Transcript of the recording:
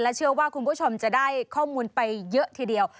เชื่อว่าคุณผู้ชมจะได้ข้อมูลไปเยอะทีเดียว